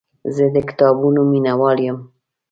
زه د کتابونو مینهوال یم.